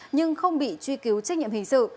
nhưng không bị truy cứu trách nhiệm hình sự